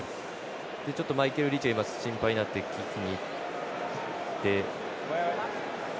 ちょっとマイケルリーチが心配になって聞きに行って。